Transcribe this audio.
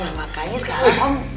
nah makanya sekarang om